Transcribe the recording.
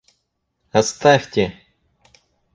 — Оставьте.